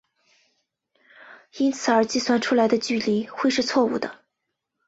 因此而计算出来的距离会是错武的。